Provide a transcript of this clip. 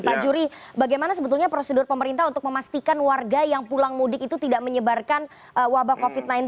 pak juri bagaimana sebetulnya prosedur pemerintah untuk memastikan warga yang pulang mudik itu tidak menyebarkan wabah covid sembilan belas